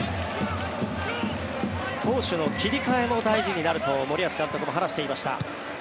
攻守の切り替えも大事になると森保監督も話していました。